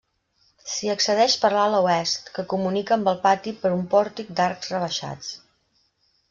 S'hi accedeix per l'ala oest, que comunica amb el pati per un pòrtic d'arcs rebaixats.